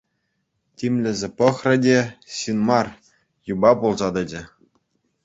Тимлесе пӑхрӗ те — ҫын мар, юпа пулса тӑчӗ.